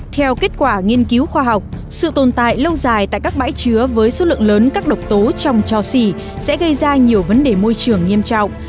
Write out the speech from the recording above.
theo kết quả nghiên cứu khoa học sự tồn tại lâu dài tại các bãi chứa với số lượng lớn các độc tố trong cho xỉ sẽ gây ra nhiều vấn đề môi trường nghiêm trọng